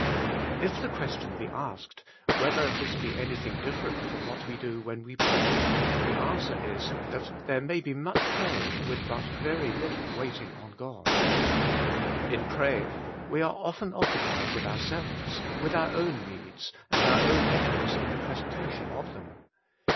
If the question be asked, whether this be anything different from what we do when we pray, the answer is, that there may be much praying with but very little waiting on God, In praying we are often occupied with ourselves, with our own needs, and our own efforts in the presentation of them.